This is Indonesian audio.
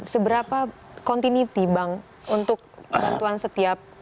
seberapa continuity bang untuk bantuan setiap